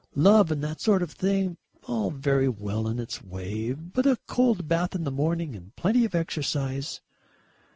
Love and that sort of thing all very well in its way, but a cold bath in the morning and plenty of exercise....